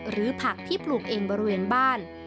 หรือผักที่ปลูกเองบริเวณบ้าน